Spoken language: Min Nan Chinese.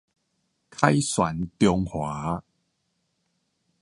凱旋中華